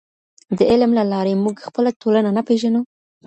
د علم له لارې موږ خپله ټولنه نه پېژنو؟